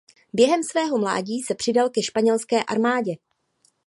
Během svého mládí se přidal ke španělské armádě.